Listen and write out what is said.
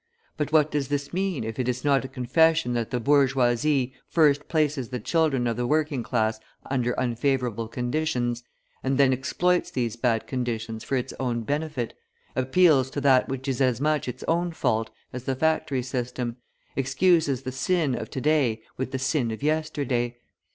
But what does this mean if it is not a confession that the bourgeoisie first places the children of the working class under unfavourable conditions, and then exploits these bad conditions for its own benefit, appeals to that which is as much its own fault as the factory system, excuses the sin of to day with the sin of yesterday?